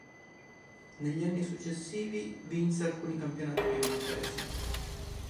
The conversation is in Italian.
Negli anni successivi vinse alcuni campionati piemontesi.